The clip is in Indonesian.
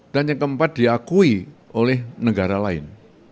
dan yang keempat diakui oleh negara lain